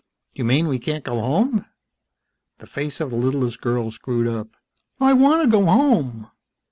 "You mean we can't go home?" The face of the littlest girl screwed up. "I want to go home."